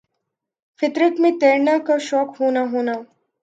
فطر ت میں تیرنا کا شوق ہونا ہونا